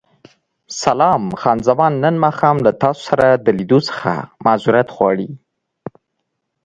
سلام، خان زمان نن ماښام له تاسو سره د لیدو څخه معذورت غواړي.